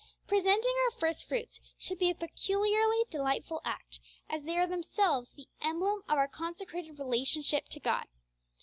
Presenting our first fruits should be a peculiarly delightful act, as they are themselves the emblem of our consecrated relationship to God.